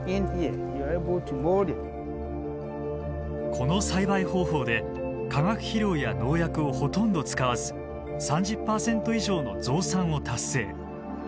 この栽培方法で化学肥料や農薬をほとんど使わず３０％以上の増産を達成。